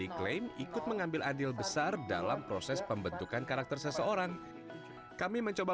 diklaim ikut mengambil adil besar dalam proses pembentukan karakter seseorang kami mencoba